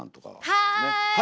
はい！